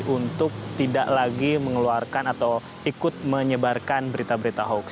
untuk tidak lagi mengeluarkan atau ikut menyebarkan berita berita hoax